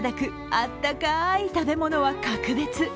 あったかい食べ物は格別。